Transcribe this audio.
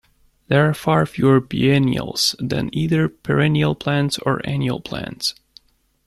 There are far fewer biennials than either perennial plants or annual plants.